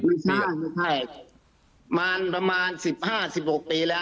ไม่ใช่มาประมาณ๑๕๑๖ปีแล้ว